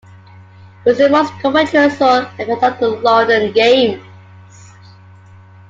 It was the most controversial event of the London Games.